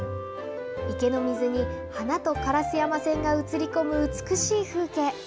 池の水に花と烏山線が写り込む美しい風景。